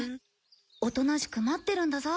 おとなしく待ってるんだぞ。